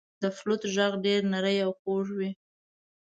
• د فلوت ږغ ډېر نری او خوږ وي.